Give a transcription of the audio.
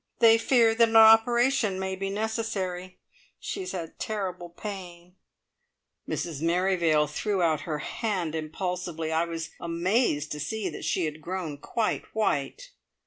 They fear that an operation may be necessary. She has had terrible pain." Mrs Merrivale threw out her hand impulsively. I was amazed to see that she had grown quite white.